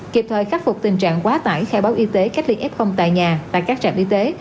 kịp thời khắc phục tình trạng quá tải khai báo y tế cách ly f tại nhà tại các trạm y tế